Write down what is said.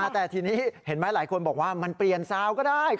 แต่ทีนี้เห็นไหมหลายคนบอกว่ามันเปลี่ยนซาวก็ได้